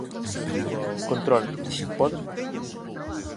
Contrólate. Podes facelo.